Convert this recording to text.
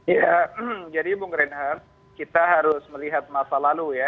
iya jadi bung reinhardt kita harus melihat masa lalu ya